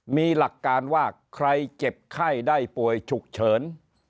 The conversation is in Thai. มีหลักการว่าใครเจ็บไข้ได้ป่วยฉุกเฉิน